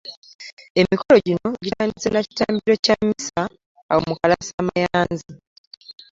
Emikolo gino gitandise na kitambiro kya mmisa awo mu Kalasamayanzi.